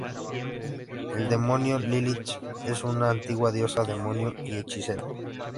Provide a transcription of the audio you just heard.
El demonio Lilith es una antigua diosa demonio y hechicera.